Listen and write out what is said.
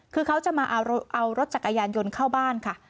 คือเขาจะมาเอารถจักรยานยนต์เข้าบ้านค่ะ